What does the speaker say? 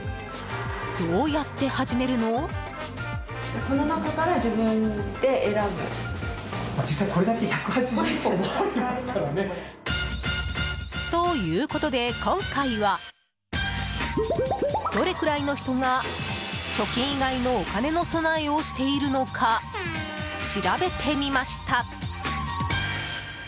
どうやって始めるの？ということで今回はどれくらいの人が貯金以外のお金の備えをしているのか、調べてみました。